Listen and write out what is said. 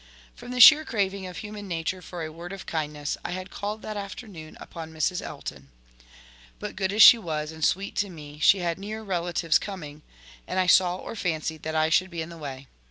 From the sheer craving of human nature for a word of kindness, I had called, that afternoon, upon Mrs. Elton. But good as she was and sweet to me, she had near relatives coming; and I saw or fancied, that I should be in the way.